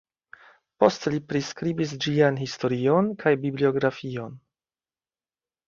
Poste li priskribis ĝian historion kaj bibliografion.